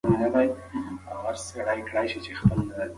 آیا تاسو هره ورځ تازه مېوه خورئ؟